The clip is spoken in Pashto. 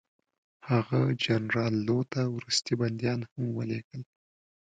هغه جنرال لو ته وروستي بندیان هم ولېږل.